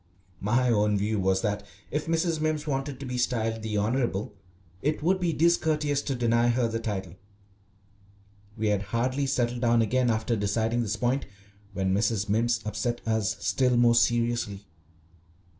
My own view was that if Mrs. Mimms wanted to be styled "the Honourable" it would be discourteous to deny her the title. We had hardly settled down again after deciding this point when Mrs. Mimms upset us still more seriously.